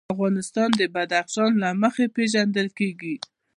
افغانستان د بدخشان له مخې پېژندل کېږي.